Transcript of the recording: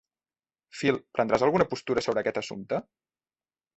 Phil, prendràs alguna postura sobre aquest assumpte?